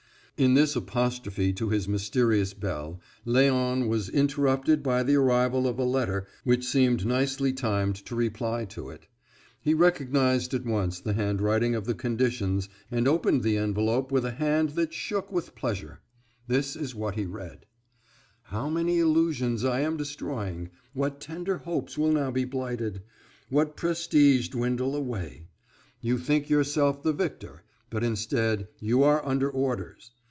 In this apostrophe to his mysterious belle Léon was interrupted by the arrival of a letter which seemed nicely timed to reply to it. He recognized at once the handwriting of the conditions, and opened the envelope with a hand that shook with pleasure. This is what he read: "How many illusions I am destroying! What tender hopes will now be blighted! What prestige dwindle away! You think yourself the victor, but instead you are under orders.